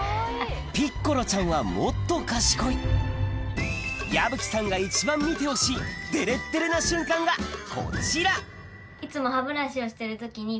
ぴっコロちゃんはもっと賢い矢吹さんが一番見てほしいデレッデレな瞬間がこちらいつも。